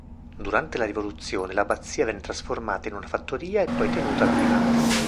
Durante la Rivoluzione l'abbazia venne trasformata in una fattoria e poi tenuta da privati.